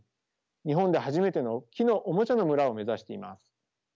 日本で初めての木のおもちゃの村を目指しています。